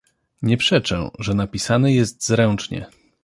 "Nie przeczę, że napisany jest zręcznie."